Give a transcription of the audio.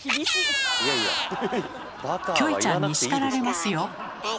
キョエちゃんに叱られますよ。